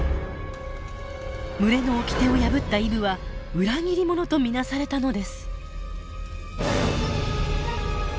群れのおきてを破ったイブは裏切り者と見なされたのです。